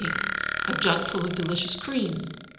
A jug full of delicious cream.